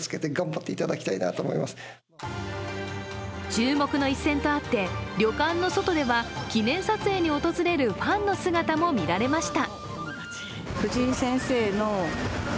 注目の一戦とあって旅館の外では、記念撮影に訪れるファンの姿も見られました。